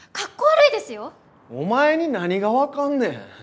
お前に何が分かんねん！